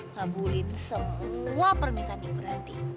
ngabulin semua permintaan ibu ranti